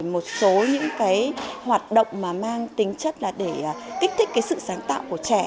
một số những hoạt động mang tính chất là để kích thích sự sáng tạo của trẻ